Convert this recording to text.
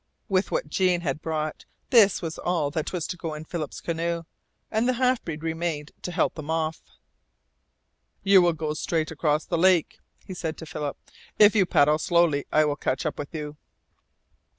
With what Jean had brought this was all that was to go in Philip's canoe, and the half breed remained to help them off. "You will go straight across the lake," he said to Philip. "If you paddle slowly, I will catch up with you."